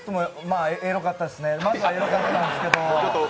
エロかったんですけど。